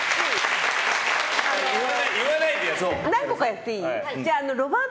何個かやっていい？